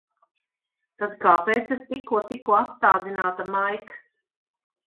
Tad kāpēc es tikko tiku atstādināta, Maik?